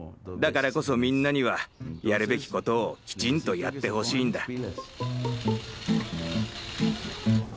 だからこそみんなにはやるべきことをきちんとやってほしいんだ。